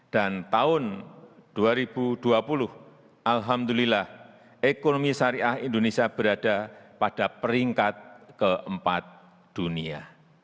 dan tahun dua ribu dua puluh alhamdulillah ekonomi syariah indonesia berada pada peringkat ke empat dunia